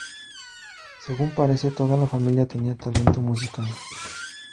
Según parece toda la familia tenía talento musical.